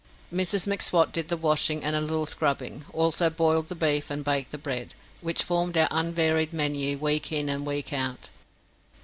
Mrs M'Swat did the washing and a little scrubbing, also boiled the beef and baked the bread, which formed our unvaried menu week in and week out.